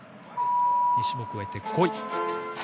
２種目を終えて５位。